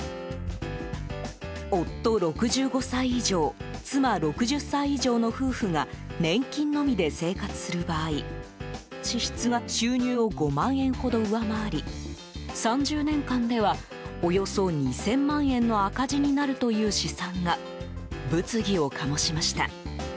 夫、６５歳以上妻、６０歳以上の夫婦が年金のみで生活する場合支出が収入を５万円ほど上回り３０年間ではおよそ２０００万円の赤字になるという試算が物議を醸しました。